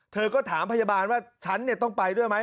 เธอก็ถามพยาบาลว่าฉันต้องไปด้วยไหม